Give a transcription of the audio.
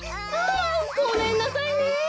あごめんなさいね。